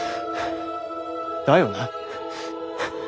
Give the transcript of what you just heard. だよな。